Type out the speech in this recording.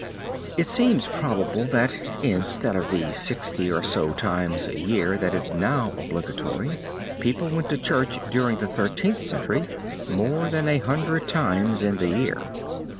It seems probable that instead of the sixty or so times a year that is now obligatory, people went to Church during the Thirteenth Century more than a hundred times in the year.